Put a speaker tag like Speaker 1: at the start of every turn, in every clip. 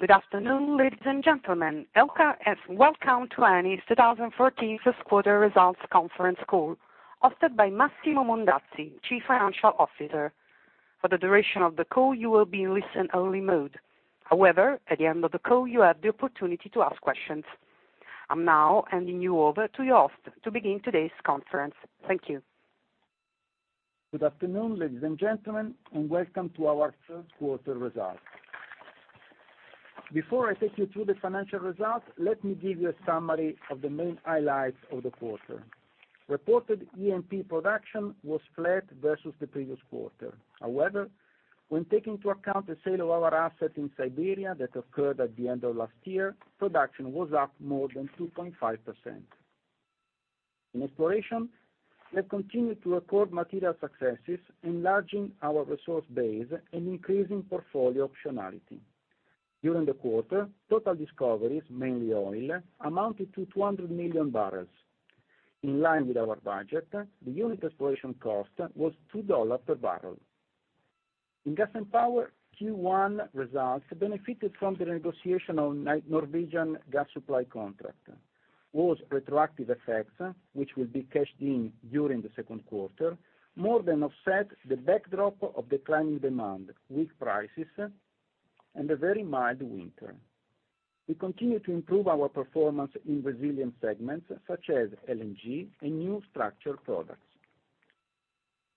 Speaker 1: Good afternoon, ladies and gentlemen. Eni's welcome to Eni's 2014 first quarter results conference call, hosted by Massimo Mondazzi, Chief Financial Officer. For the duration of the call, you will be in listen only mode. However, at the end of the call, you have the opportunity to ask questions. I am now handing you over to your host to begin today's conference. Thank you.
Speaker 2: Good afternoon, ladies and gentlemen, welcome to our first quarter results. Before I take you through the financial results, let me give you a summary of the main highlights of the quarter. Reported E&P production was flat versus the previous quarter. However, when taking into account the sale of our assets in Siberia that occurred at the end of last year, production was up more than 2.5%. In exploration, we have continued to record material successes, enlarging our resource base and increasing portfolio optionality. During the quarter, total discoveries, mainly oil, amounted to 200 million barrels. In line with our budget, the unit exploration cost was $2 per barrel. In gas and power, Q1 results benefited from the negotiation of Norwegian gas supply contract. Those retroactive effects, which will be cashed in during the second quarter, more than offset the backdrop of declining demand, weak prices, and a very mild winter. We continue to improve our performance in resilient segments, such as LNG and new structured products.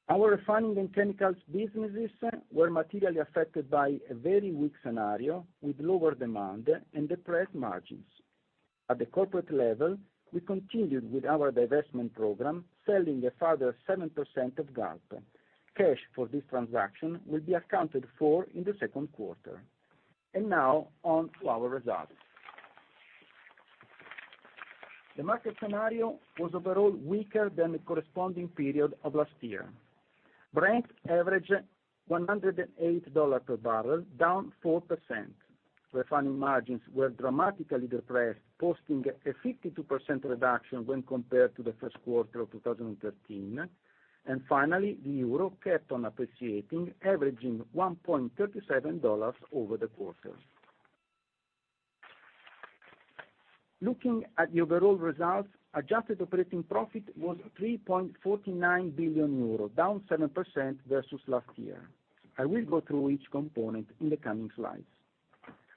Speaker 2: Our refining and chemicals businesses were materially affected by a very weak scenario with lower demand and depressed margins. At the corporate level, we continued with our divestment program, selling a further 7% of Galp. Cash for this transaction will be accounted for in the second quarter. Now on to our results. The market scenario was overall weaker than the corresponding period of last year. Brent averaged $108 per barrel, down 4%. Refining margins were dramatically depressed, posting a 52% reduction when compared to the first quarter of 2013. Finally, the euro kept on appreciating, averaging $1.37 over the quarter. Looking at the overall results, adjusted operating profit was 3.49 billion euros, down 7% versus last year. I will go through each component in the coming slides.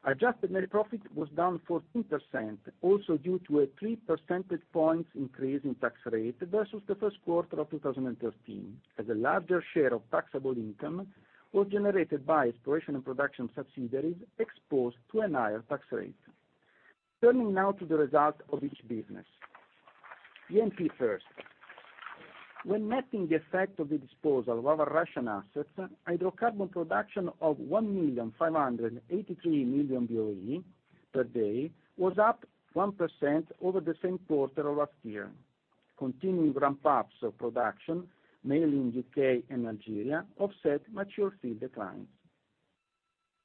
Speaker 2: Adjusted net profit was down 14%, also due to a three percentage points increase in tax rate versus the first quarter of 2013, as a larger share of taxable income was generated by exploration and production subsidiaries exposed to a higher tax rate. Turning now to the result of each business. E&P first. When netting the effect of the disposal of our Russian assets, hydrocarbon production of 1,583,000,000 BOE per day was up 1% over the same quarter of last year. Continuing ramp-ups of production, mainly in U.K. and Algeria, offset mature field declines.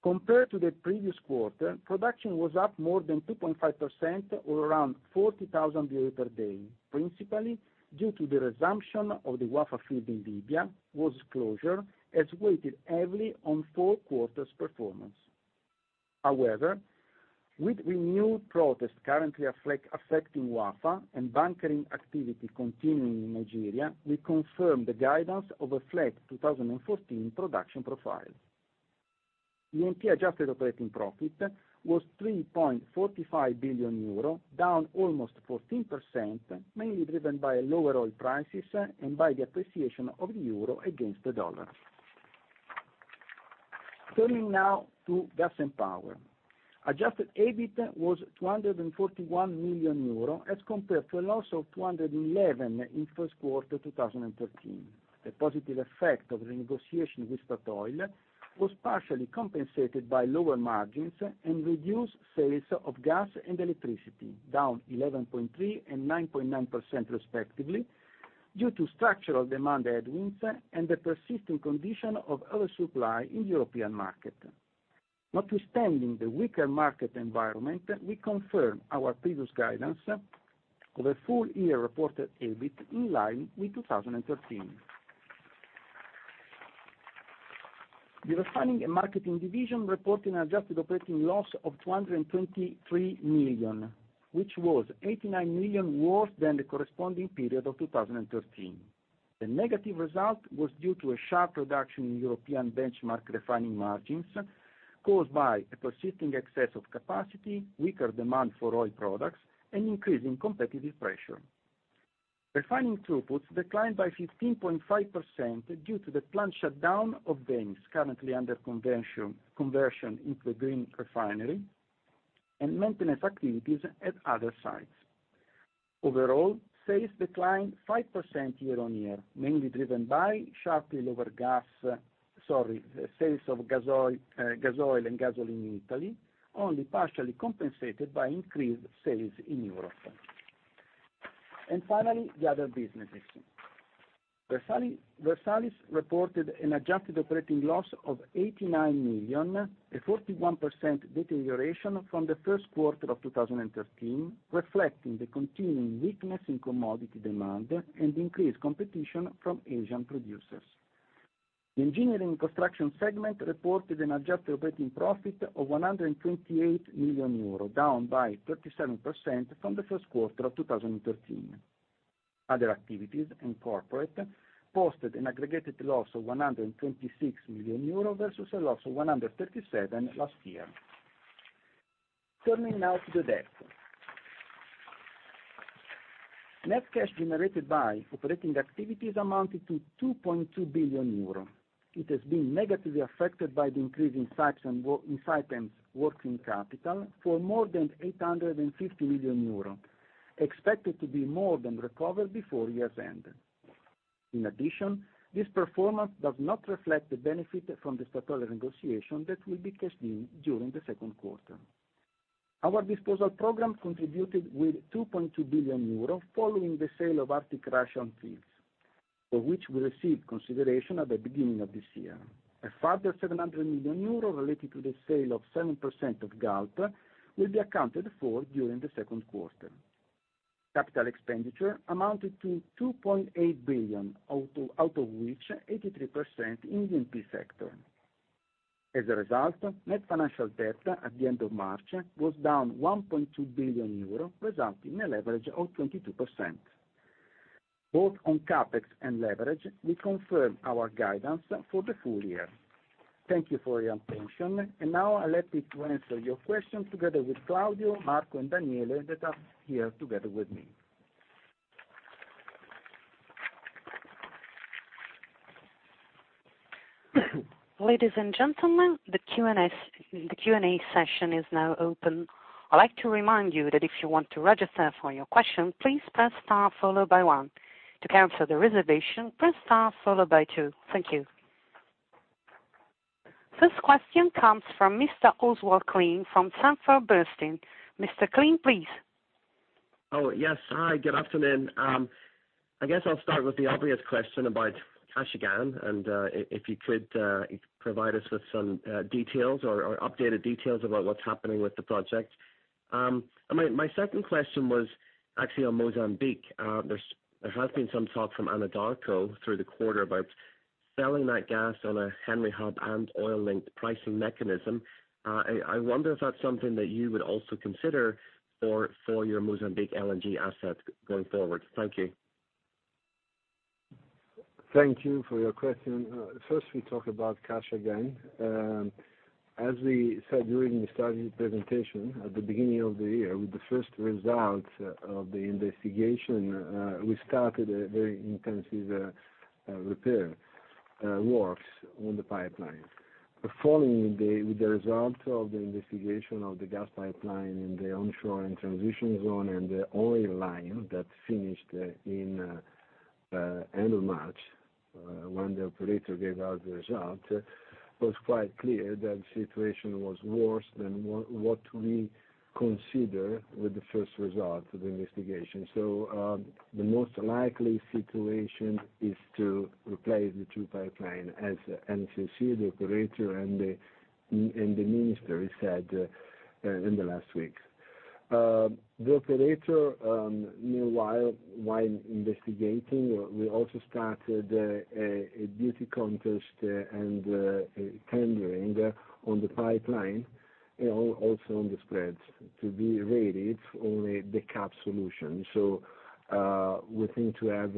Speaker 2: Compared to the previous quarter, production was up more than 2.5% or around 40,000 BOE per day, principally due to the resumption of the Wafa field in Libya, whose closure has weighted heavily on four quarters' performance. However, with renewed protests currently affecting Wafa and bunkering activity continuing in Nigeria, we confirm the guidance of a flat 2014 production profile. E&P adjusted operating profit was 3.45 billion euro, down almost 14%, mainly driven by lower oil prices and by the appreciation of the euro against the dollar. Turning now to gas and power. Adjusted EBIT was 241 million euro as compared to a loss of 211 in first quarter 2013. The positive effect of the negotiation with Statoil was partially compensated by lower margins and reduced sales of gas and electricity, down 11.3% and 9.9% respectively, due to structural demand headwinds and the persistent condition of oversupply in the European market. Notwithstanding the weaker market environment, we confirm our previous guidance of a full-year reported EBIT in line with 2013. The refining and marketing division reported an adjusted operating loss of 223 million, which was 89 million worse than the corresponding period of 2013. The negative result was due to a sharp reduction in European benchmark refining margins caused by a persisting excess of capacity, weaker demand for oil products, and increasing competitive pressure. Refining throughputs declined by 15.5% due to the planned shutdown of Venice, currently under conversion into a green refinery, and maintenance activities at other sites. Overall, sales declined 5% year-over-year, mainly driven by sharply lower sales of gasoil and gasoline in Italy, only partially compensated by increased sales in Europe. Finally, the other businesses. Versalis reported an adjusted operating loss of 89 million, a 41% deterioration from the first quarter of 2013, reflecting the continuing weakness in commodity demand and increased competition from Asian producers. The engineering construction segment reported an adjusted operating profit of 128 million euro, down by 37% from the first quarter of 2013. Other activities in corporate posted an aggregated loss of 126 million euro versus a loss of 137 last year. Turning now to the debt. Net cash generated by operating activities amounted to 2.2 billion euros. It has been negatively affected by the increase in Saipem's working capital for more than 850 million euro, expected to be more than recovered before year's end. In addition, this performance does not reflect the benefit from the Statoil negotiation that will be cashed in during the second quarter. Our disposal program contributed with 2.2 billion euros, following the sale of Arctic Russian fields, for which we received consideration at the beginning of this year. A further 700 million euro related to the sale of 7% of Galp will be accounted for during the second quarter. Capital expenditure amounted to 2.8 billion, out of which 83% in the E&P sector. As a result, net financial debt at the end of March was down 1.2 billion euro, resulting in a leverage of 22%. Both on CapEx and leverage, we confirm our guidance for the full year. Thank you for your attention. Now I'll happy to answer your questions together with Claudio, Marco, and Daniele, that are here together with me.
Speaker 1: Ladies and gentlemen, the Q&A session is now open. I'd like to remind you that if you want to register for your question, please press star followed by one. To cancel the reservation, press star followed by two. Thank you. First question comes from Mr. Oswald Clint from Sanford C. Bernstein. Mr. Clint, please.
Speaker 3: Yes, hi, good afternoon. I guess I'll start with the obvious question about Kashagan, and if you could provide us with some details or updated details about what's happening with the project. My second question was actually on Mozambique. There has been some talk from Anadarko through the quarter about selling that gas on a Henry Hub and oil link pricing mechanism. I wonder if that's something that you would also consider for your Mozambique LNG asset going forward. Thank you.
Speaker 2: Thank you for your question. First, we talk about Kashagan. As we said during the starting presentation, at the beginning of the year, with the first result of the investigation, we started a very intensive repair works on the pipeline. Following with the results of the investigation of the gas pipeline in the onshore and transition zone and the oil line that finished in end of March, when the operator gave out the result, it was quite clear that the situation was worse than what we consider with the first result of the investigation. The most likely situation is to replace the two pipeline as NCOC, the operator, and the ministry said in the last weeks. The operator, meanwhile, while investigating, we also started a duty contest and tendering on the pipeline, and also on the spreads to be rated only the cap solution. We think to have,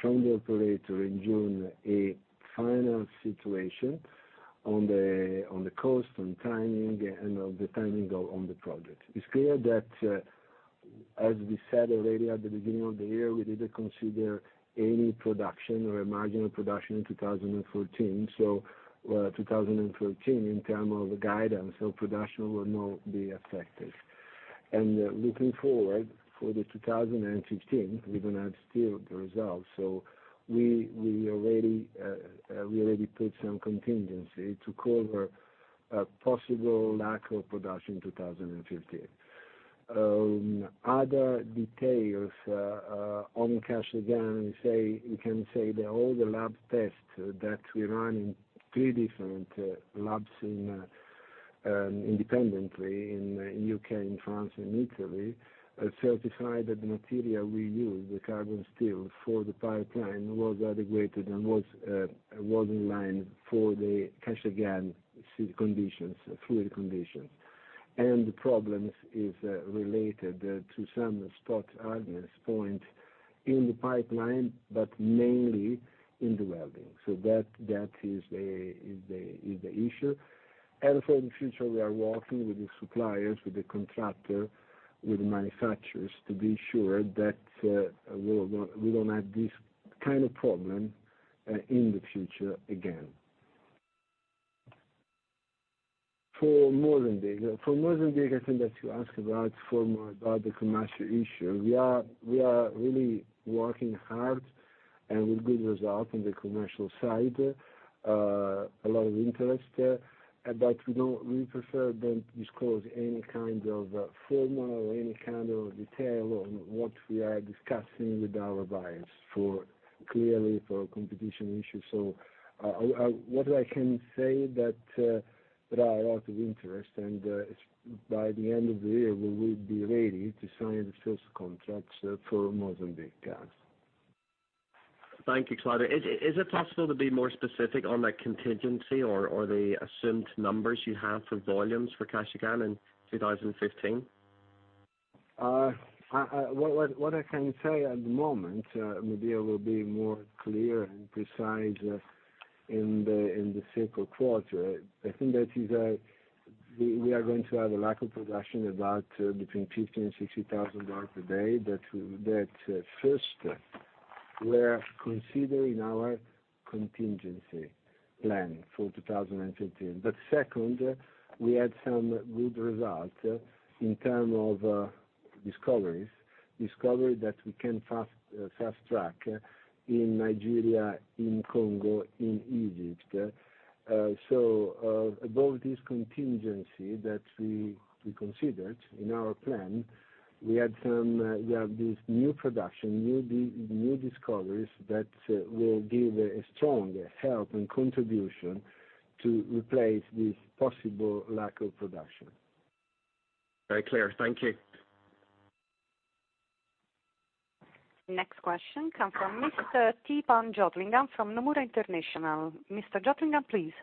Speaker 2: from the operator in June, a final situation on the cost and timing, and the timing on the project. It's clear that, as we said already at the beginning of the year, we didn't consider any production or marginal production in 2014, in term of guidance, production will not be affected. Looking forward for the 2015, we don't have still the results. We already put some contingency to cover a possible lack of production 2015. Other details on Kashagan, we can say that all the lab tests that we run in three different labs independently in U.K., in France, and in Italy, certified that the material we used, the carbon steel for the pipeline, was adequate and was in line for the Kashagan fluid conditions. The problems is related to some spot hardness point in the pipeline, but mainly in the welding. That is the issue. For the future, we are working with the suppliers, with the contractor, with the manufacturers to be sure that we don't have this kind of problem in the future again. For Mozambique, I think that you ask about the commercial issue. We are really working hard and with good result on the commercial side. A lot of interest. We prefer don't disclose any kind of formula or any kind of detail on what we are discussing with our buyers, clearly for competition issues. What I can say that there are a lot of interest, and by the end of the year, we will be ready to sign the first contract for Mozambique gas.
Speaker 3: Thank you, Claudio. Is it possible to be more specific on the contingency or the assumed numbers you have for volumes for Kashagan in 2015?
Speaker 4: What I can say at the moment, maybe I will be more clear and precise in the second quarter. I think that we are going to have a lack of production about between 50,000 and 60,000 barrels a day. That first, we are considering our contingency plan for 2015. Second, we had some good results in term of discoveries. Discovery that we can fast-track in Nigeria, in Congo, in Egypt. Above this contingency that we considered in our plan, we have this new production, new discoveries that will give a strong help and contribution to replace this possible lack of production.
Speaker 3: Very clear. Thank you.
Speaker 1: Next question comes from Mr. Theepan Jothilingam from Nomura International. Mr. Jothilingam, please.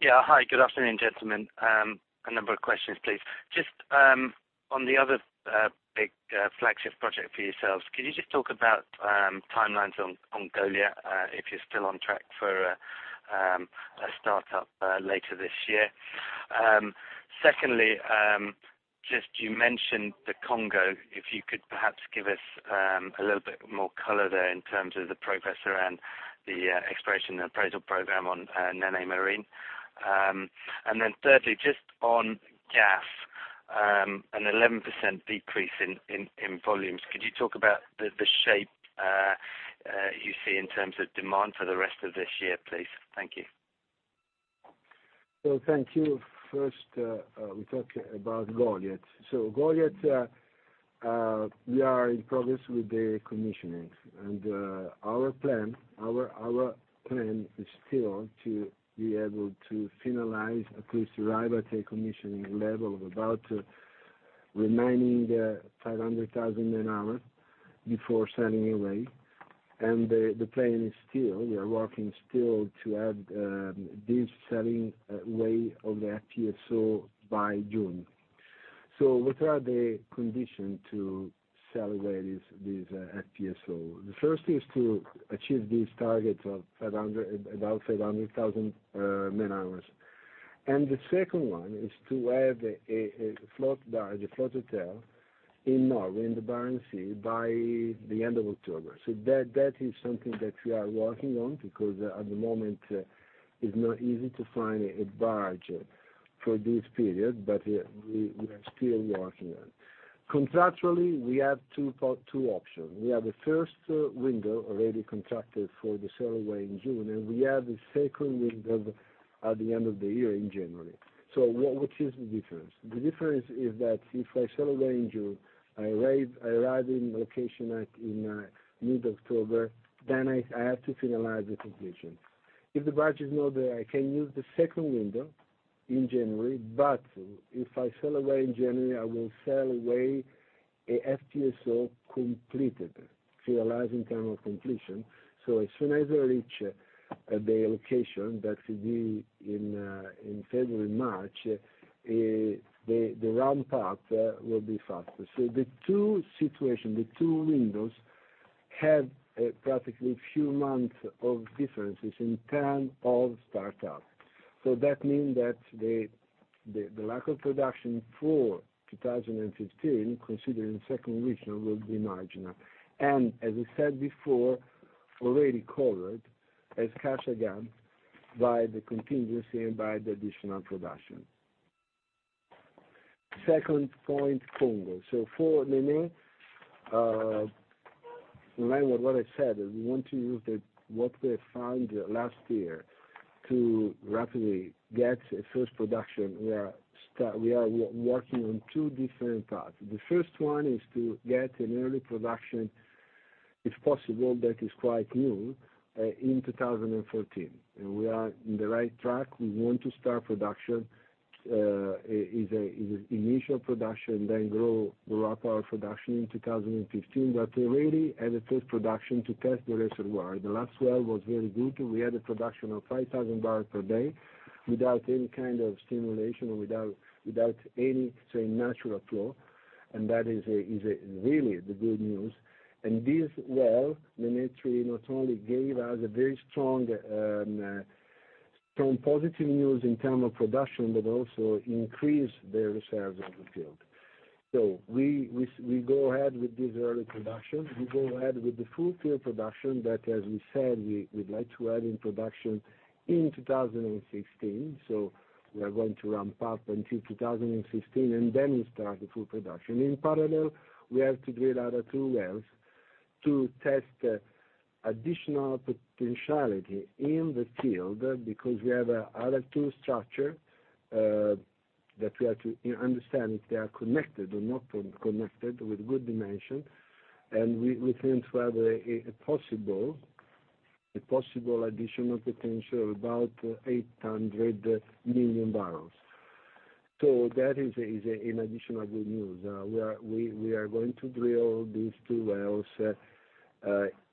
Speaker 5: Yeah. Hi, good afternoon, gentlemen. A number of questions, please. Just on the other big flagship project for yourselves, can you just talk about timelines on Goliat, if you're still on track for a startup later this year? Secondly, just you mentioned the Congo, if you could perhaps give us a little bit more color there in terms of the progress around the exploration appraisal program on Nene Marine. Thirdly, just on gas, an 11% decrease in volumes. Could you talk about the shape you see in terms of demand for the rest of this year, please? Thank you.
Speaker 4: Thank you. First, we talk about Goliat. Goliat, we are in progress with the commissioning. Our plan is still to be able to finalize, of course, arrive at a commissioning level of about remaining 500,000 man-hours before sailing away. The plan is still, we are working still to have this sailing way of the FPSO by June. What are the conditions to sail away this FPSO? The first is to achieve these targets of about 500,000 man-hours. The second one is to have a float barge, a float hotel in Norway, in the Barents Sea, by the end of October. That is something that we are working on because at the moment, it's not easy to find a barge for this period. We are still working on. Contractually, we have two options. We have the first window already contracted for the sail away in June, and we have the second window at the end of the year in January. What is the difference? The difference is that if I sail away in June, I arrive in location at mid-October, then I have to finalize the completion. If the barge is not there, I can use the second window in January, but if I sail away in January, I will sail away a FPSO completed, finalized in term of completion. As soon as I reach the location, that will be in February, March, the ramp up will be faster. The two situation, the two windows, have practically few months of differences in term of startup. That mean that the lack of production for 2015, considering the second region, will be marginal. As I said before, already covered as Kashagan by the contingency and by the additional production. Second point, Congo. For Nene, in line with what I said, we want to use what we found last year to rapidly get a first production. We are working on two different parts. The first one is to get an early production, if possible, that is quite new, in 2014. We are on the right track. We want to start production, initial production, then grow ramp our production in 2015. Already have a first production to test the reservoir. The last well was very good. We had a production of 5,000 barrels per day without any kind of stimulation or without any natural flow, that is really the good news. This well, Nene-3, not only gave us a very strong positive news in terms of production, but also increased the reserves of the field. We go ahead with this early production. We go ahead with the full field production, as we said, we'd like to have in production in 2016. We are going to ramp up until 2016, then we start the full production. In parallel, we have to drill other two wells to test additional potentiality in the field because we have other two structure, that we have to understand if they are connected or not connected with good dimension. We think to have a possible additional potential about 800 million barrels. That is an additional good news. We are going to drill these two wells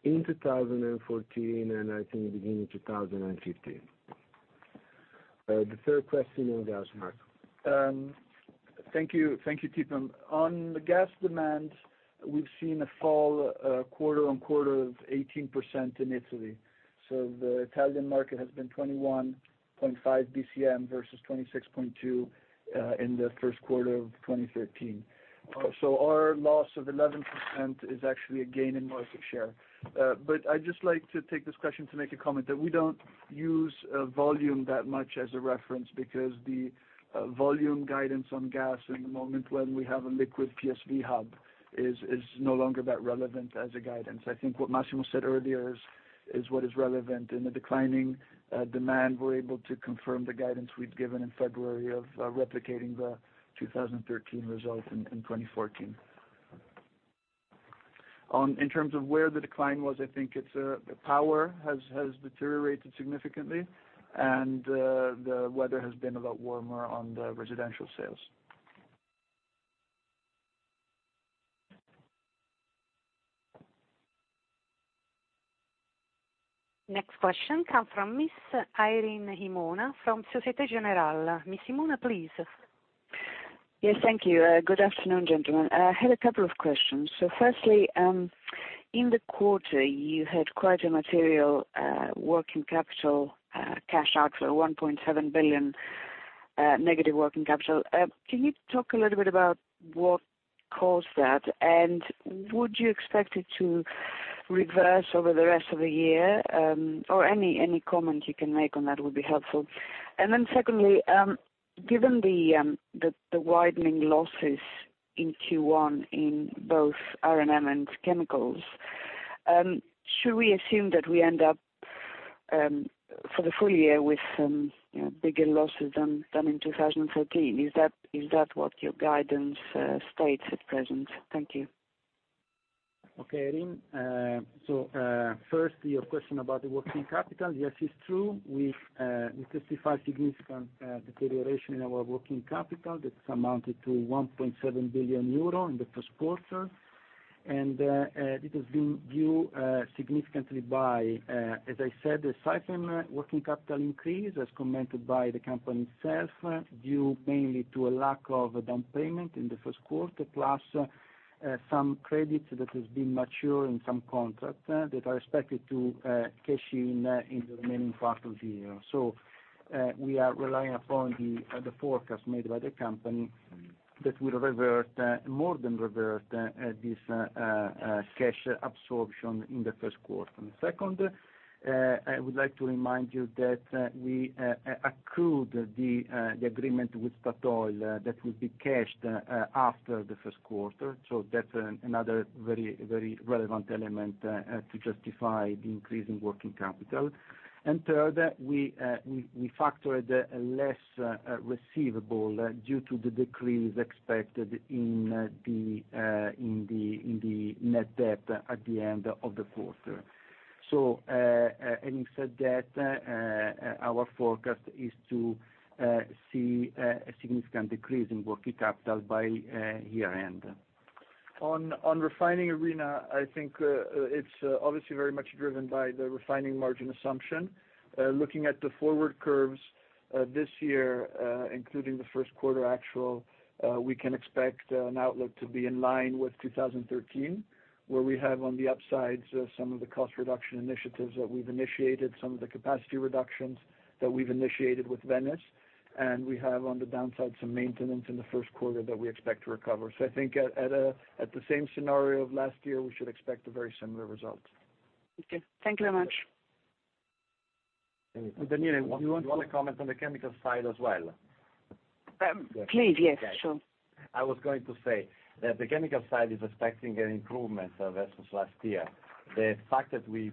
Speaker 4: in 2014, I think beginning 2015. The third question goes to Marco.
Speaker 6: Thank you, Theepan. On gas demand, we've seen a fall quarter-on-quarter of 18% in Italy. The Italian market has been 21.5 BCM versus 26.2 in the first quarter of 2013. Our loss of 11% is actually a gain in market share. I'd just like to take this question to make a comment that we don't use volume that much as a reference because the volume guidance on gas in the moment when we have a liquid PSV hub is no longer that relevant as a guidance. I think what Massimo said earlier is what is relevant. In the declining demand, we're able to confirm the guidance we'd given in February of replicating the 2013 result in 2014. In terms of where the decline was, I think the power has deteriorated significantly, the weather has been a lot warmer on the residential sales.
Speaker 1: Next question comes from Miss Irene Himona from Societe Generale. Miss Himona, please.
Speaker 7: Yes, thank you. Good afternoon, gentlemen. I had a couple of questions. Firstly, in the quarter, you had quite a material working capital cash outflow, 1.7 billion negative working capital. Can you talk a little bit about what caused that? Would you expect it to reverse over the rest of the year? Any comment you can make on that would be helpful. Secondly, given the widening losses in Q1 in both R&M and chemicals, should we assume that we end up for the full year with bigger losses than in 2014? Is that what your guidance states at present? Thank you.
Speaker 2: Okay, Irene. Firstly, your question about the working capital. Yes, it's true. We justify significant deterioration in our working capital that amounted to 1.7 billion euro in the first quarter. It has been due significantly by, as I said, the Saipem working capital increase, as commented by the company itself, due mainly to a lack of down payment in the first quarter, plus some credits that have been mature in some contracts that are expected to cash in the remaining part of the year. We are relying upon the forecast made by the company that will more than revert this cash absorption in the first quarter. Second, I would like to remind you that we accrued the agreement with Statoil that will be cashed after the first quarter. That's another very relevant element to justify the increase in working capital. Third, we factored a less receivable due to the decrease expected in the net debt at the end of the quarter. Having said that, our forecast is to see a significant decrease in working capital by year-end.
Speaker 6: On refining, Irene, I think it's obviously very much driven by the refining margin assumption. Looking at the forward curves this year, including the first quarter actual, we can expect an outlook to be in line with 2013, where we have on the upsides some of the cost reduction initiatives that we've initiated, some of the capacity reductions that we've initiated with Venice, and we have on the downside, some maintenance in the first quarter that we expect to recover. I think at the same scenario of last year, we should expect a very similar result.
Speaker 7: Okay. Thank you very much.
Speaker 2: Daniele, do you want to comment on the chemical side as well?
Speaker 8: Please, yes, sure. I was going to say that the chemical side is expecting an improvement versus last year. The fact that we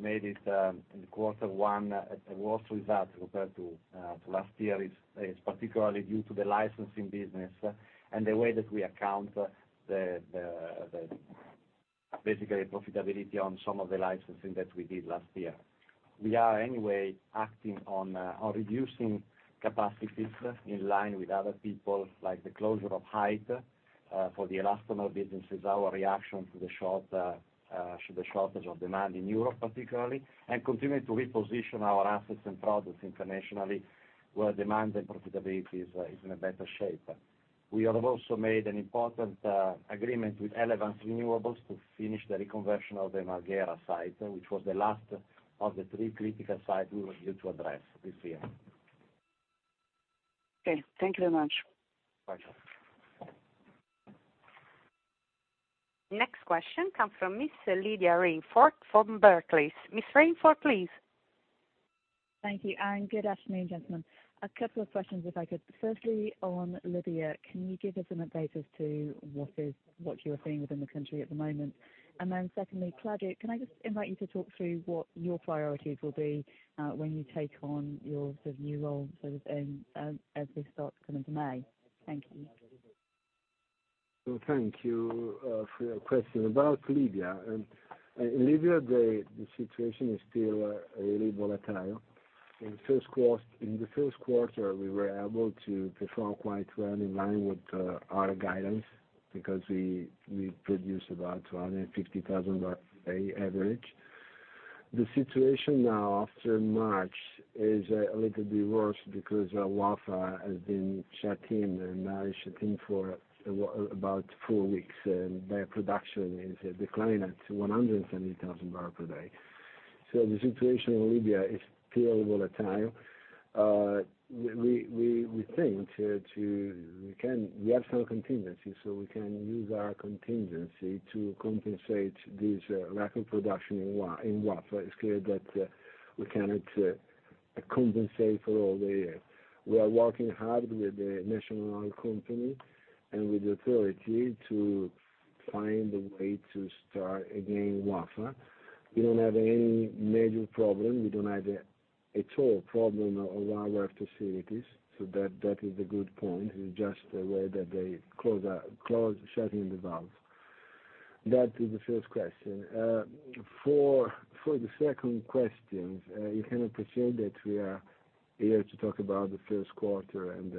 Speaker 8: made it in quarter one, a worse result compared to last year, is particularly due to the licensing business and the way that we account basically profitability on some of the licensing that we did last year. We are anyway acting on reducing capacities in line with other people, like the closure of Hythe for the elastomer business is our reaction to the shortage of demand in Europe particularly, and continuing to reposition our assets and products internationally where demand and profitability is in a better shape. We have also made an important agreement with Elevance Renewables to finish the reconversion of the Marghera site, which was the last of the three critical sites we were due to address this year.
Speaker 7: Okay. Thank you very much.
Speaker 2: My pleasure.
Speaker 1: Next question comes from Miss Lydia Rainforth from Barclays. Miss Rainforth, please.
Speaker 9: Thank you. Good afternoon, gentlemen. A couple of questions if I could. Firstly, on Libya, can you give us an update as to what you are seeing within the country at the moment? Secondly, Claudio, can I just invite you to talk through what your priorities will be when you take on your new role as we start coming to May? Thank you.
Speaker 4: Thank you for your question. About Libya, the situation is still really volatile. In the first quarter, we were able to perform quite well, in line with our guidance, because we produced about 250,000 barrels a day average. The situation now after March is a little bit worse because Wafa has been shut in, and now is shut in for about four weeks, and their production is declining to 170,000 barrels per day. The situation in Libya is still volatile. We think we have some contingency, we can use our contingency to compensate this lack of production in Wafa. It's clear that we cannot compensate for all the. We are working hard with the national oil company and with the authority to find a way to start again Wafa. We don't have any major problem. We don't have a total problem of our facilities. That is the good point. It's just the way that they shutting the valve. That is the first question. For the second question, you can appreciate that we are here to talk about the first quarter, and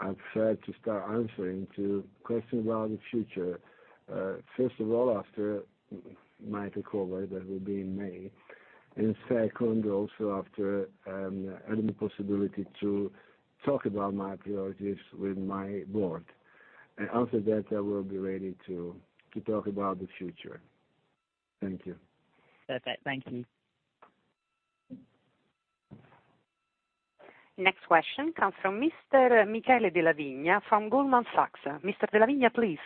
Speaker 4: I prefer to start answering to questions about the future, first of all, after my recovery, that will be in May. Second, also after having the possibility to talk about my priorities with my board. After that, I will be ready to talk about the future. Thank you.
Speaker 9: Perfect. Thank you.
Speaker 1: Next question comes from Mr. Michele Della Vigna from Goldman Sachs. Mr. Della Vigna, please.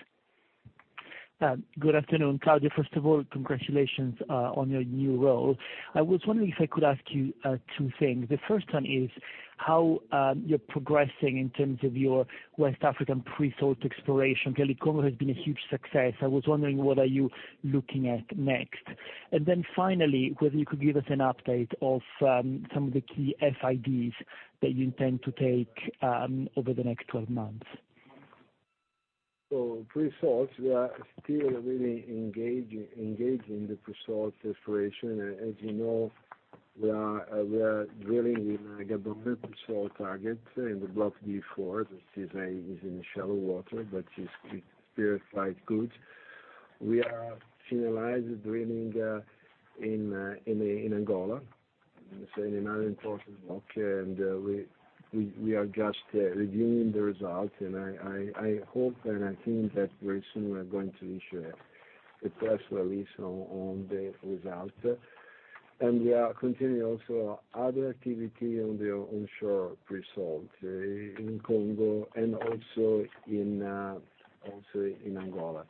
Speaker 10: Good afternoon, Claudio. First of all, congratulations on your new role. I was wondering if I could ask you two things. The first one is how you're progressing in terms of your West African pre-salt exploration. Kalimba has been a huge success. I was wondering what are you looking at next. Finally, whether you could give us an update of some of the key FIDs that you intend to take over the next 12 months.
Speaker 4: Pre-salt, we are still really engaged in the pre-salt exploration. As you know, we are drilling in Agbambie pre-salt target in the Block D4, which is in shallow water, but it's pretty good. We are finalized drilling in Angola, in another important block, we are just reviewing the results, I hope and I think that very soon we are going to issue a press release on the result. We are continuing also other activity on the onshore pre-salt in Congo and also in Angola.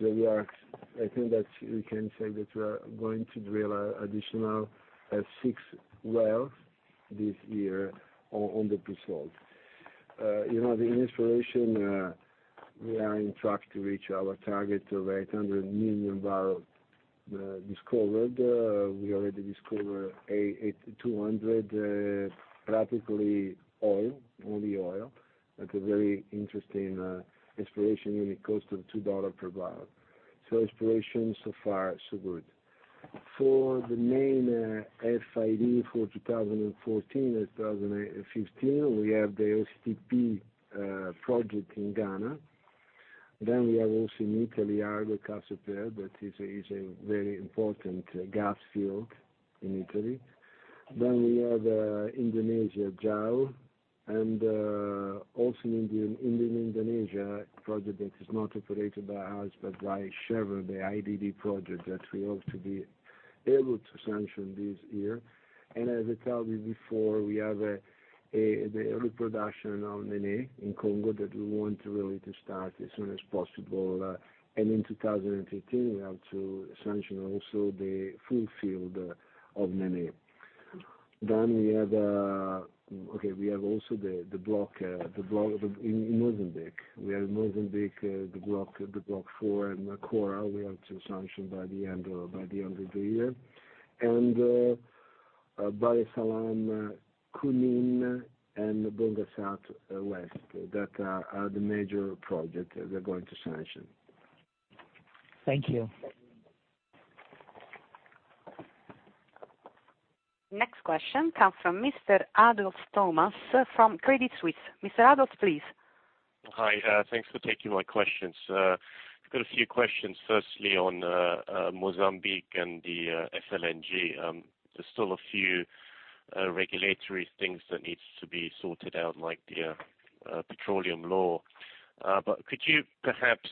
Speaker 4: I think that we can say that we are going to drill additional six wells this year on the pre-salt. In exploration we are on track to reach our target of 800 million barrels discovered. We already discovered 200, practically all the oil, at a very interesting exploration unit cost of $2 per barrel. Exploration, so far, so good. For the main FID for 2014-2015, we have the OCTP project in Ghana. We have also in Italy, Argo-Cassiopea, that is a very important gas field in Italy. We have Indonesia, Jau, and also in Indonesia, a project that is not operated by us but by Chevron, the IDD project that we hope to be able to sanction this year. As I told you before, we have the reproduction of Nene in Congo that we want really to start as soon as possible. In 2015, we have to sanction also the full field of Nene. We have also the block in Mozambique. We have Mozambique, the Block 4 and Coral we have to sanction by the end of the year. Bahr Essalam, Kunene and Bonga South West. That are the major projects that we are going to sanction.
Speaker 10: Thank you.
Speaker 1: Next question comes from Mr. Thomas Adolff from Credit Suisse. Mr. Adolff, please.
Speaker 11: Hi. Thanks for taking my questions. I've got a few questions, firstly, on Mozambique and the FLNG. There's still a few regulatory things that needs to be sorted out, like the petroleum law. Could you perhaps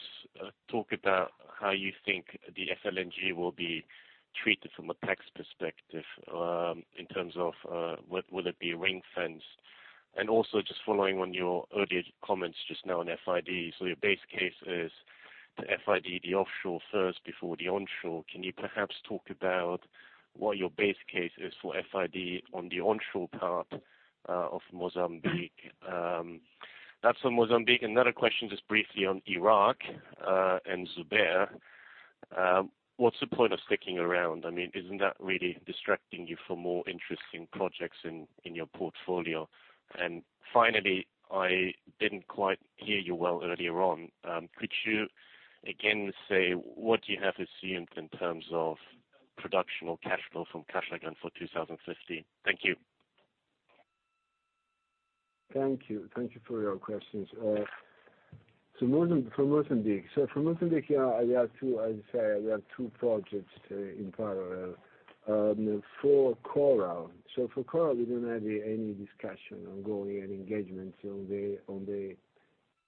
Speaker 11: talk about how you think the FLNG will be treated from a tax perspective in terms of will it be ring-fenced? Also just following on your earlier comments just now on FID. Your base case is the FID, the offshore first before the onshore. Can you perhaps talk about what your base case is for FID on the onshore part of Mozambique? That's on Mozambique. Another question, just briefly on Iraq and Zubair. What's the point of sticking around? Isn't that really distracting you from more interesting projects in your portfolio? Finally, I didn't quite hear you well earlier on. Could you again say what you have assumed in terms of production or cash flow from Kashagan for 2015? Thank you.
Speaker 4: Thank you. Thank you for your questions. For Mozambique, we have two projects in parallel. For Coral, we don't have any discussion ongoing, any engagements on the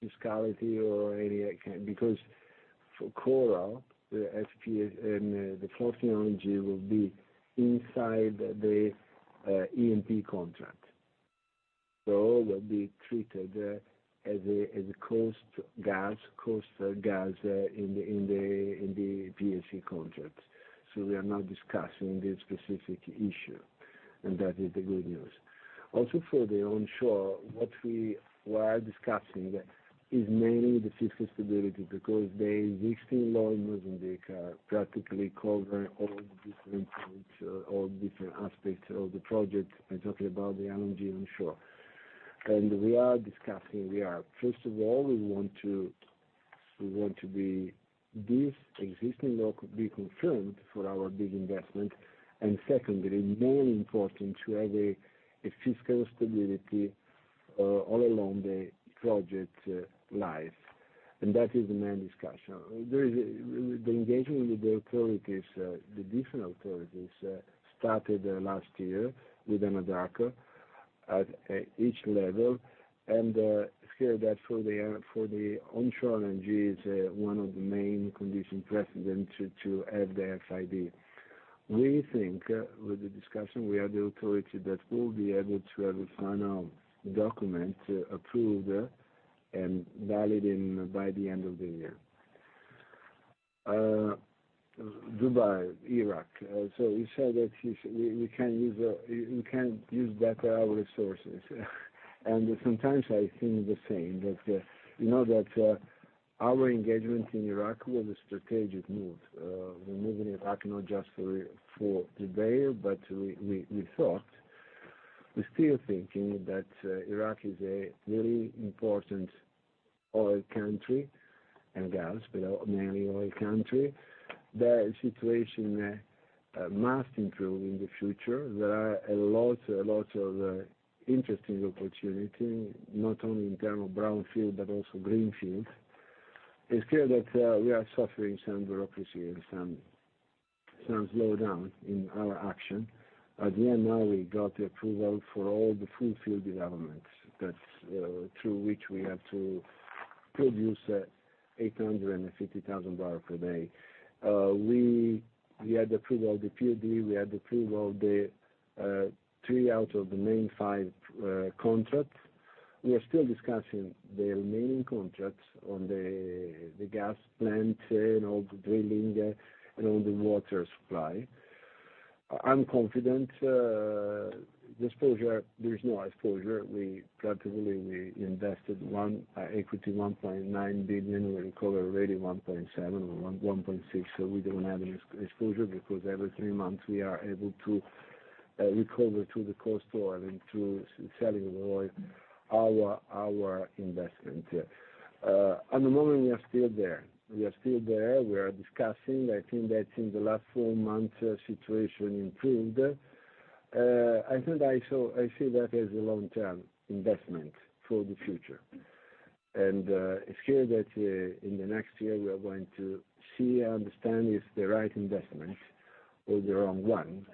Speaker 4: fiscality or any, because for Coral, the FLNG will be inside the EPC contract. Will be treated as a cost gas in the PSC contract. We are not discussing this specific issue, and that is the good news. For the onshore, what we were discussing is mainly the fiscal stability, because the existing law in Mozambique practically cover all different points or different aspects of the project. I'm talking about the LNG onshore. We are discussing, first of all, we want to be this existing law could be confirmed for our big investment. Secondly, more important to have a fiscal stability all along the project life. That is the main discussion. The engagement with the different authorities, started last year with Anadarko at each level. It's clear that for the onshore LNG is one of the main condition precedent to have the FID. We think with the discussion we have the authority that we'll be able to have a final document approved and valid by the end of the year. Zubair, Iraq. You said that we can't use better our resources. Sometimes I think the same, that our engagement in Iraq was a strategic move. We move in Iraq not just for Zubair, but we thought, we still thinking that Iraq is a very important oil country, and gas, but mainly oil country. The situation must improve in the future. There are a lot of interesting opportunity, not only in term of brownfield, but also greenfield. It's clear that we are suffering some bureaucracy and some slowdown in our action. At the end, now we got the approval for all the full field developments, that through which we have to produce 850,000 barrel per day. We had the approval of the FDP, we had the approval of the three out of the main five contracts. We are still discussing the remaining contracts on the gas plant and all the drilling and on the water supply. I'm confident. The exposure, there's no exposure. Practically, we invested equity 1.9 billion. We recover already 1.7 or 1.6, we don't have an exposure because every three months we are able to recover through the cost oil, through selling the oil, our investment. At the moment, we are still there. We are discussing. I think that in the last four months, situation improved. I think I see that as a long term investment for the future. It's clear that in the next year we are going to see and understand if the right investment or the wrong one,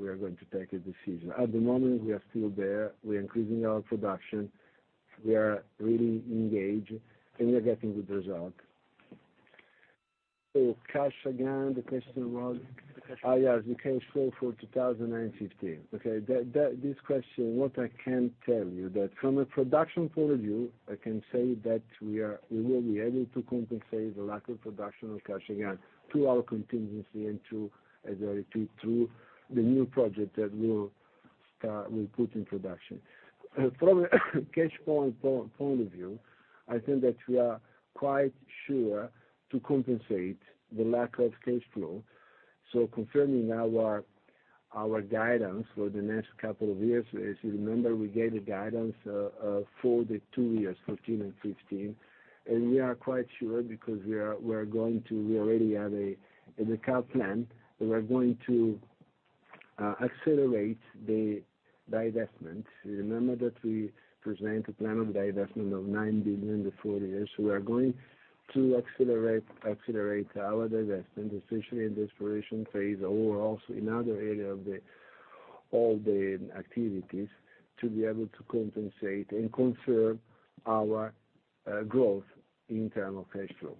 Speaker 4: we are going to take a decision. At the moment, we are still there. We are increasing our production. We are really engaged, we are getting good result. Kashagan, the question was?
Speaker 11: The cash flow.
Speaker 4: Yes. The cash flow for 2015. This question, what I can tell you, that from a production point of view, I can say that we will be able to compensate the lack of production of Kashagan through our contingency and through the new project that we'll put in production. From a cash point of view, I think that we are quite sure to compensate the lack of cash flow. Confirming our guidance for the next couple of years, as you remember, we gave the guidance for the two years, 2015 and 2016. We are quite sure because we already have a recap plan, and we are going to accelerate the divestment. You remember that we present a plan of divestment of 9 billion to four years. We are going to accelerate our divestment, especially in the exploration phase or also in other area of all the activities, to be able to compensate and confirm our growth in terms of cash flow.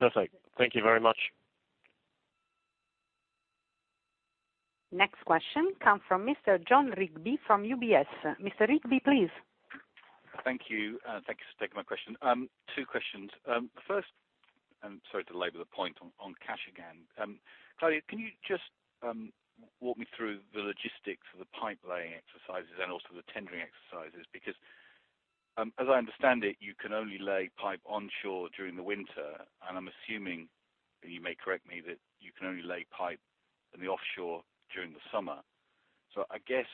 Speaker 11: Perfect. Thank you very much.
Speaker 1: Next question comes from Mr. Jon Rigby from UBS. Mr. Rigby, please.
Speaker 12: Thank you. Thank you for taking my question. Two questions. First, I'm sorry to labor the point. Claudio, can you just walk me through the logistics of the pipe-laying exercises and also the tendering exercises? Because as I understand it, you can only lay pipe onshore during the winter, and I'm assuming, and you may correct me, that you can only lay pipe in the offshore during the summer. I guess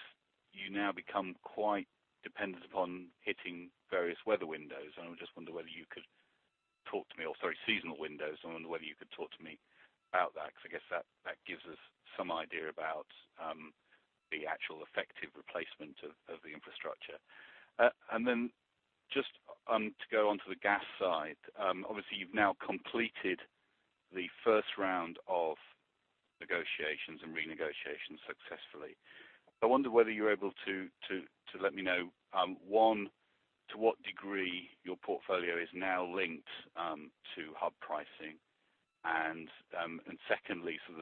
Speaker 12: you now become quite dependent upon hitting various weather windows, and I just wonder whether you could talk to me seasonal windows. I wonder whether you could talk to me about that, because I guess that gives us some idea about the actual effective replacement of the infrastructure. Just to go onto the gas side. Obviously, you've now completed the first round of negotiations and renegotiations successfully. I wonder whether you're able to let me know, one, to what degree your portfolio is now linked to hub pricing.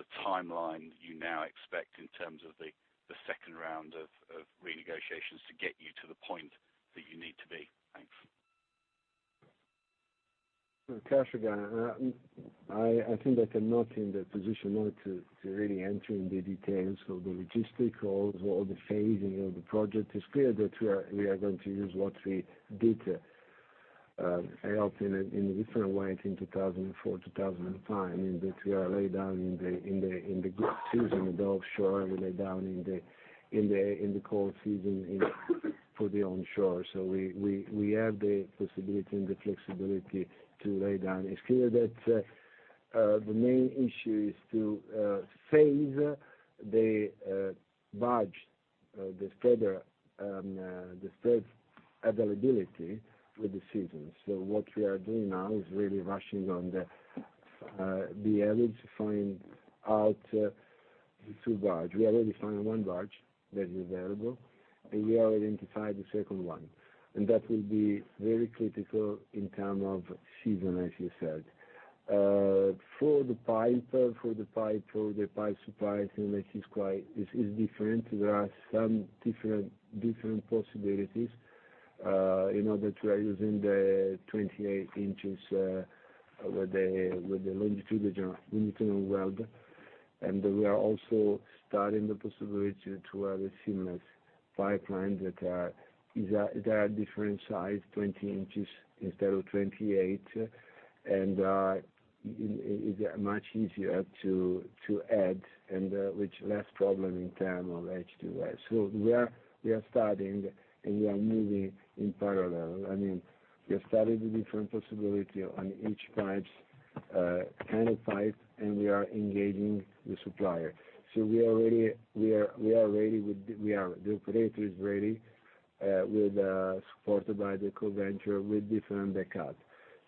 Speaker 12: The timeline you now expect in terms of the second round of renegotiations to get you to the point that you need to be. Thanks.
Speaker 4: Kashagan. I think I am not in the position now to really enter in the details of the logistical or the phasing of the project. It's clear that we are going to use what we did help in a different way in 2004, 2005, in that we are lay down in the good season in the offshore, and we lay down in the cold season for the onshore. We have the possibility and the flexibility to lay down. It's clear that the main issue is to phase the barge, the further availability with the season. What we are doing now is really rushing on the ability to find out the two barge. We already found one barge that is available, and we already identified the second one. That will be very critical in term of season, as you said. For the pipe supply, I think this is different. There are some different possibilities. In order to are using the 28 inches with the longitudinal welding. We are also studying the possibility to have a seamless pipeline that is a different size, 20 inches instead of 28, and is much easier to add and with less problem in terms of H2S. We are studying, and we are moving in parallel. We are studying the different possibility on each pipes, kind of pipe, and we are engaging the supplier. The operator is ready, supported by the co-venture, with different backup.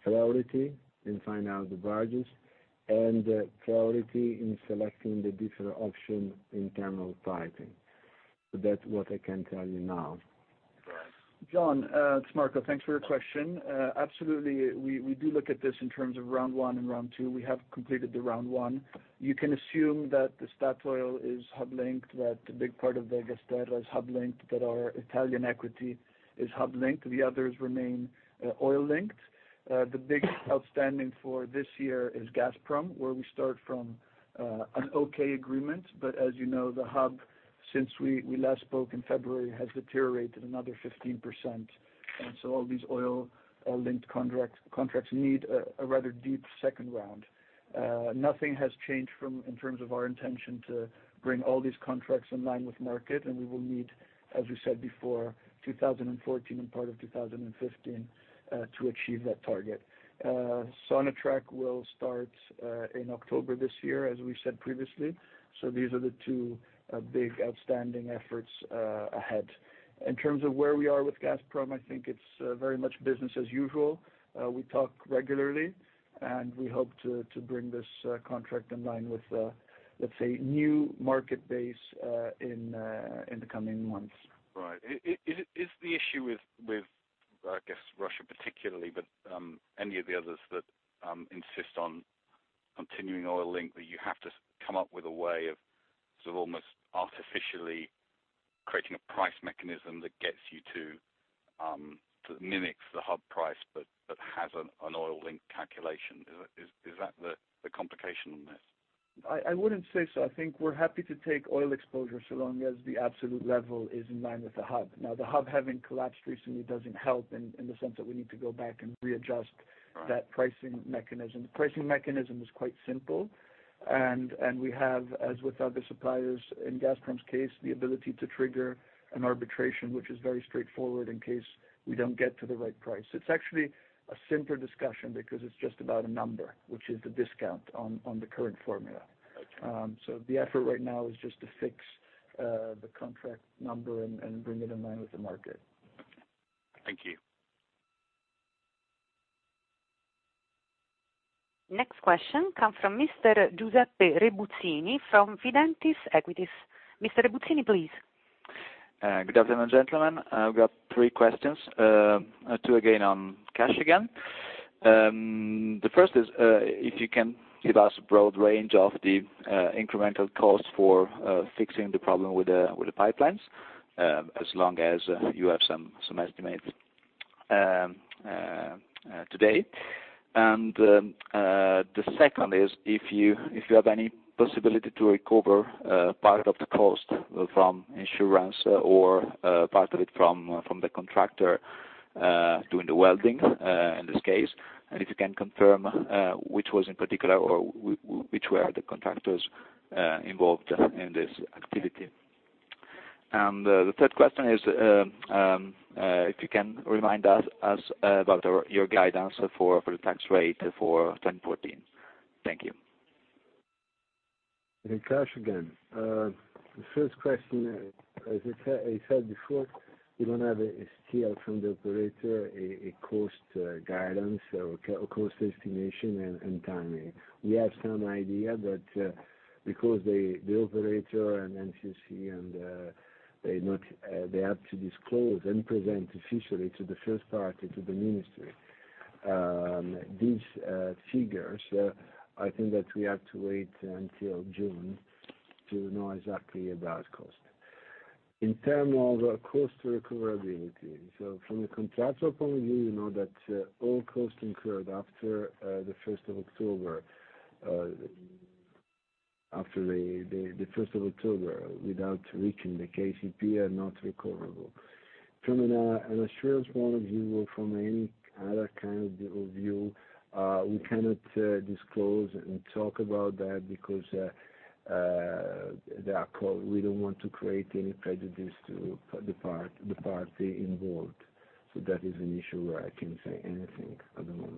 Speaker 4: Priority in find out the barges, and priority in selecting the different option in terms of piping. That's what I can tell you now.
Speaker 6: Jon, it's Marco. Thanks for your question. Absolutely, we do look at this in terms of round 1 and round 2. We have completed the round 1. You can assume that the Statoil is hub linked, that a big part of the GasTerra is hub linked, that our Italian equity is hub linked. The others remain oil linked. The biggest outstanding for this year is Gazprom, where we start from an okay agreement. As you know, the hub, since we last spoke in February, has deteriorated another 15%. All these oil-linked contracts need a rather deep second round. Nothing has changed in terms of our intention to bring all these contracts in line with market, and we will need, as we said before, 2014 and part of 2015 to achieve that target. Sonatrach will start in October this year, as we said previously. These are the two big outstanding efforts ahead. In terms of where we are with Gazprom, I think it's very much business as usual. We talk regularly, and we hope to bring this contract in line with, let's say, new market base in the coming months.
Speaker 12: Right. Is the issue with, I guess, Russia particularly, but any of the others that insist on continuing oil link, that you have to come up with a way of almost artificially creating a price mechanism that gets you to mimic the hub price but has an oil link calculation? Is that the complication on this?
Speaker 6: I wouldn't say so. I think we're happy to take oil exposure so long as the absolute level is in line with the hub. The hub having collapsed recently doesn't help in the sense that we need to go back and readjust that pricing mechanism. The pricing mechanism is quite simple. We have, as with other suppliers, in Gazprom's case, the ability to trigger an arbitration, which is very straightforward in case we don't get to the right price. It's actually a simpler discussion because it's just about a number, which is the discount on the current formula.
Speaker 12: Okay.
Speaker 6: The effort right now is just to fix the contract number and bring it in line with the market.
Speaker 12: Thank you.
Speaker 1: Next question come from Mr. Giuseppe Rebuzzini from Fidentiis Equities. Mr. Rebuzzini, please.
Speaker 13: Good afternoon, gentlemen. I've got three questions, two again on Kashagan. The first is if you can give us a broad range of the incremental cost for fixing the problem with the pipelines, as long as you have some estimates.
Speaker 2: Today. The second is, if you have any possibility to recover part of the cost from insurance or part of it from the contractor doing the welding, in this case, and if you can confirm which was in particular or which were the contractors involved in this activity. The third question is, if you can remind us about your guidance for the tax rate for 2014. Thank you.
Speaker 4: Kashagan. The first question, as I said before, we don't have it still from the operator, a cost guidance or cost estimation and timing. We have some idea, because the operator and NCOC, they have to disclose and present officially to the first party, to the ministry, these figures, I think that we have to wait until June to know exactly about cost. In terms of cost recoverability, from a contractor point of view, you know that all costs incurred after the 1st of October without reaching the KCP are not recoverable. From an assurance point of view or from any other kind of view, we cannot disclose and talk about that because we don't want to create any prejudice to the party involved. That is an issue where I can't say anything at the moment.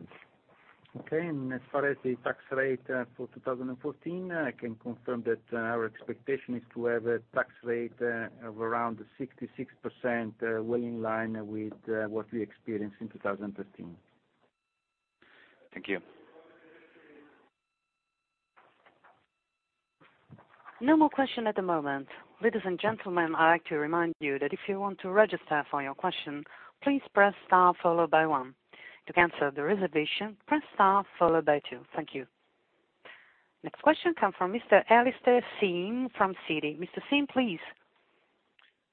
Speaker 2: Okay. As far as the tax rate for 2014, I can confirm that our expectation is to have a tax rate of around 66%, well in line with what we experienced in 2013. Thank you.
Speaker 1: No more questions at the moment. Ladies and gentlemen, I'd like to remind you that if you want to register for your question, please press star followed by one. To cancel the reservation, press star followed by two. Thank you. Next question comes from Mr. Alistair Syme from Citi. Mr. Syme, please.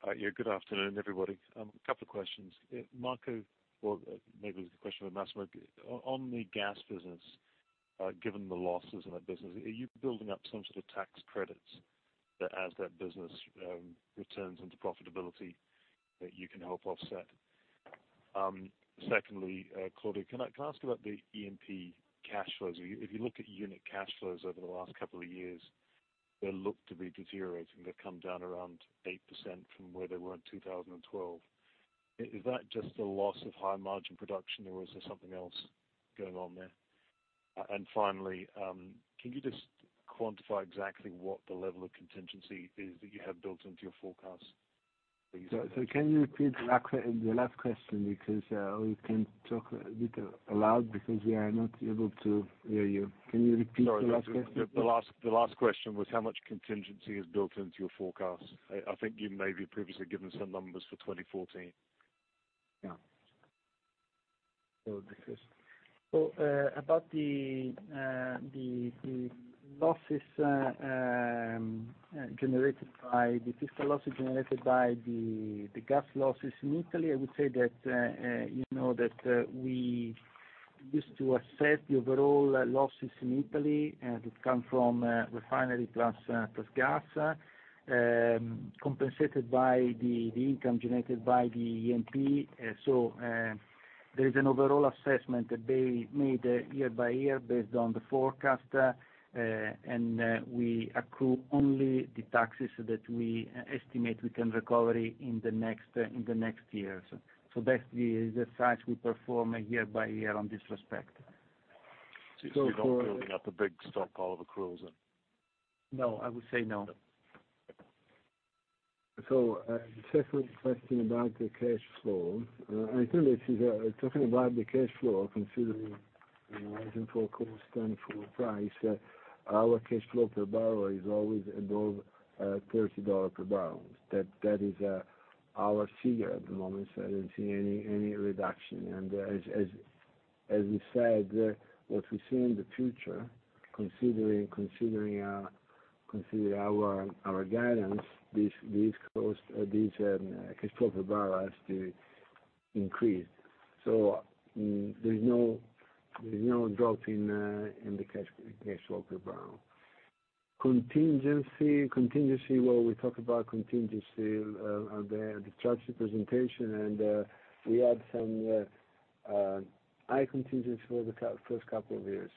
Speaker 14: Good afternoon, everybody. Couple of questions. Marco, or maybe it's a question for Massimo. On the gas business, given the losses in that business, are you building up some sort of tax credits that as that business returns into profitability, that you can help offset? Secondly, Claudio, can I ask about the E&P cash flows? If you look at unit cash flows over the last couple of years, they look to be deteriorating. They've come down around 8% from where they were in 2012. Is that just a loss of high margin production or is there something else going on there? Finally, Claudio, can you just quantify exactly what the level of contingency is that you have built into your forecast that you said-
Speaker 4: Can you repeat the last question? Because you can talk a bit loud because we are not able to hear you. Can you repeat the last question?
Speaker 14: Sorry. The last question was how much contingency is built into your forecast? I think you may have previously given some numbers for 2014.
Speaker 4: Yeah.
Speaker 2: About the fiscal losses generated by the gas losses in Italy, I would say that, we used to assess the overall losses in Italy, that come from refinery plus gas, compensated by the income generated by the E&P. There is an overall assessment made year by year based on the forecast, and we accrue only the taxes that we estimate we can recover in the next years. That's the exercise we perform year by year on this respect.
Speaker 14: You're not building up a big stockpile of accruals then?
Speaker 2: No, I would say no.
Speaker 4: The second question about the cash flow. I think talking about the cash flow, considering our forecast and full price, our cash flow per barrel is always above $30 per barrel. That is our figure at the moment. I don't see any reduction. As we said, what we see in the future, considering our guidance, this cash flow per barrel has to increase. There's no drop in the cash flow per barrel. Contingency, well, we talked about contingency at the strategy presentation, and we had some high contingency for the first couple of years.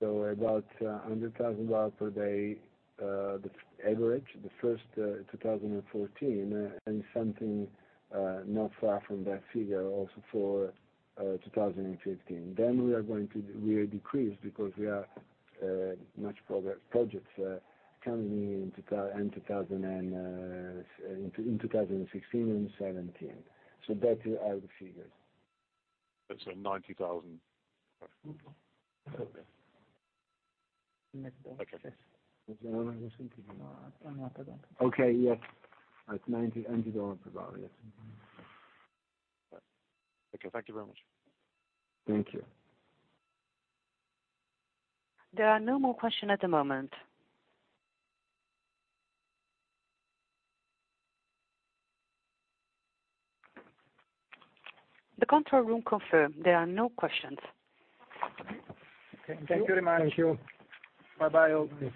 Speaker 4: About $100,000 per day, the average, the first 2014, and something not far from that figure also for 2015. We are going to decrease because we have much progress projects coming in 2016 and 2017. That are the figures.
Speaker 14: 90,000. Okay.
Speaker 2: Yes.
Speaker 4: Okay, yes. It's EUR 90 per barrel. Yes.
Speaker 14: Okay. Thank you very much.
Speaker 4: Thank you.
Speaker 1: There are no more questions at the moment. The control room confirms there are no questions.
Speaker 4: Okay. Thank you very much.
Speaker 2: Thank you.
Speaker 4: Bye bye, all.